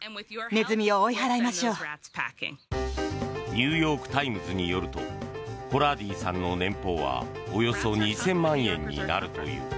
ニューヨーク・タイムズによるとコラーディさんの年俸はおよそ２０００万円になるという。